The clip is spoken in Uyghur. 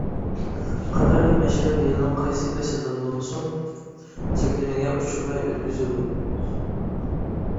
قاتارى مەشرەپ يىلنىڭ قايسى پەسىلدە بولمىسۇن چەكلىمىگە ئۇچرىماي ئۆتكۈزۈلىدۇ.